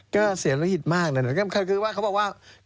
ก็เสียละหิตมากนะ